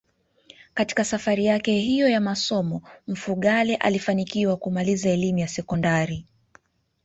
Katika safari yake hiyo ya masomo Mfugale alifanikiwa kumaliza elimu ya sekondari